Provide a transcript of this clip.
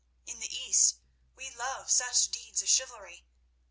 In the East we love such deeds of chivalry.